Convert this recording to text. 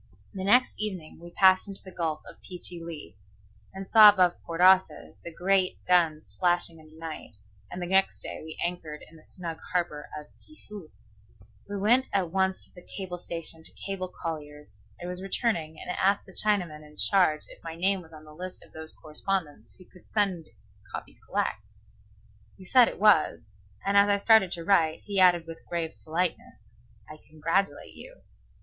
The next evening we passed into the Gulf of Pe chi li, and saw above Port Arthur the great guns flashing in the night, and the next day we anchored in the snug harbor of Chefoo. I went at once to the cable station to cable Collier's I was returning, and asked the Chinaman in charge if my name was on his list of those correspondents who could send copy collect. He said it was; and as I started to write, he added with grave politeness, "I congratulate you."